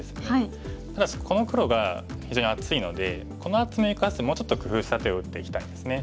ただしこの黒が非常に厚いのでこの厚みを生かすもうちょっと工夫した手を打っていきたいんですね。